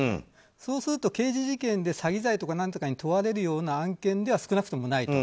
そうすると刑事事件で詐欺罪とか何とかに問われるような案件では少なくともない。